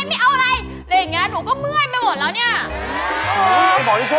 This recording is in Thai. แล้วยังงี้หนูก็เมื่อยไปหมดแล้วเนี่ย